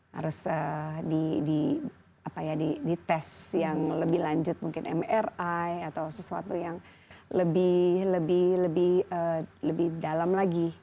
harus di apa ya di tes yang lebih lanjut mungkin mri atau sesuatu yang lebih dalam lagi